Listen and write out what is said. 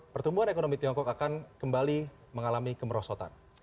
pertumbuhan ekonomi tiongkok akan kembali mengalami kemerosotan